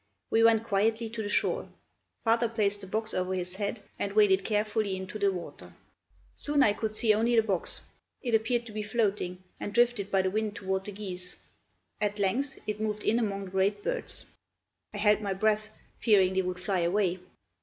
We went quietly to the shore; father placed the box over his head and waded carefully into the water. Soon I could see only the box; it appeared to be floating and drifted by the wind toward the geese. At length it moved in among the great birds. I held my breath, fearing they would fly away.